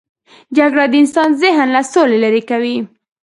جګړه د انسان ذهن له سولې لیرې کوي